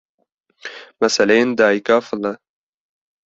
meseleyên Dayika File